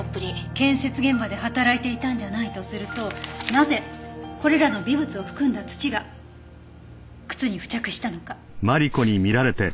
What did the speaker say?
建設現場で働いていたんじゃないとするとなぜこれらの微物を含んだ土が靴に付着したのか？